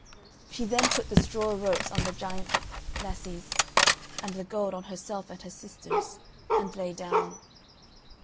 She then put the straw ropes on the giant's lassies and the gold on herself and her sisters, and lay down.